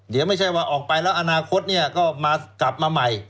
เดี๋ยวไม่ใช่ว่าออกไปแล้วอนาคตเนี่ยก็มากลับมาใหม่